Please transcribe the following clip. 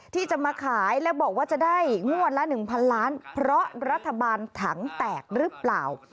ที่จะมาขายและบอกว่าจะได้งวดละ๑๐๐ล้านเพราะรัฐบาลถังแตกหรือเปล่า